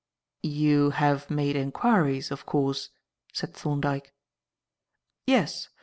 "You have made enquiries, of course?" said Thorndyke. "Yes.